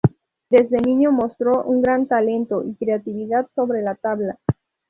Desde niño mostró un gran talento y creatividad sobre la tabla.